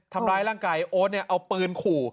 ทำร้ายร่างกายโอ๊ตเนี่ยเอาปืนขู่